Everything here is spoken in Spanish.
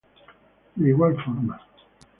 De igual forma.